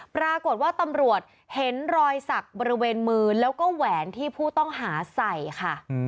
ปรากฏว่าตำรวจเห็นรอยสักบริเวณมือแล้วก็แหวนที่ผู้ต้องหาใส่ค่ะ